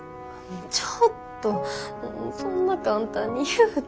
ちょっとそんな簡単に言うて。